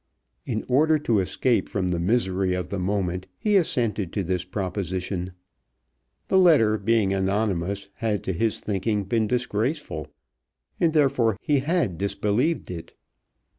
In order to escape from the misery of the moment he assented to this proposition. The letter being anonymous had to his thinking been disgraceful and therefore he had disbelieved it.